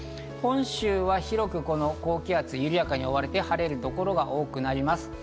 本州は広く、この高気圧に緩やかに覆われて晴れる所が多くなります。